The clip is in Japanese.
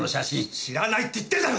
知らないって言ってるだろ！